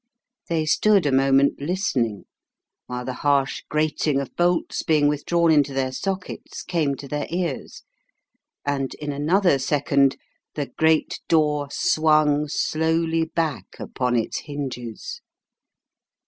They stood a moment listening, while the harsh grating of bolts being with drawn into their sockets came to their ears, and in another second the great door swung slowly back upon its hinges.